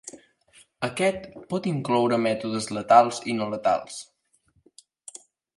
Aquest pot incloure mètodes letals i no letals.